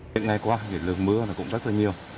những ngày qua lượng mưa cũng rất nhiều